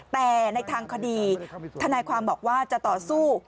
แต่ในทางคดีทนายความบอกว่าจะต่อสู้